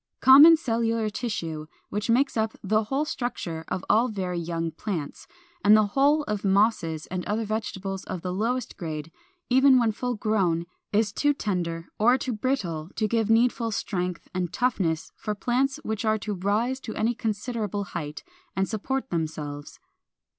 = Common cellular tissue, which makes up the whole structure of all very young plants, and the whole of Mosses and other vegetables of the lowest grade, even when full grown, is too tender or too brittle to give needful strength and toughness for plants which are to rise to any considerable height and support themselves.